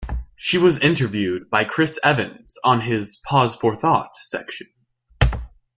She was interviewed by Chris Evans on his "Pause for Thought" section.